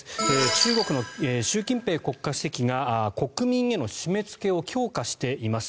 中国の習近平国家主席が国民への締めつけを強化しています。